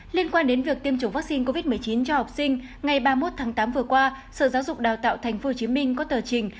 liên quan đến việc tiêm chủng vaccine covid một mươi chín cho học sinh ngày ba mươi một tháng tám vừa qua sở giáo dục đào tạo tp hcm có tờ trình